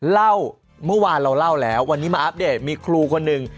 เล่าเมื่อวานเราเล่าแล้ววันนี้มาอัปเดตมีครูคนหนึ่ง